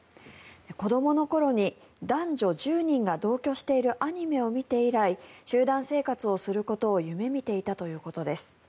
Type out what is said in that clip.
子どもの頃に男女１０人が同居しているアニメを見て以来集団生活をすることを夢見てきたということです。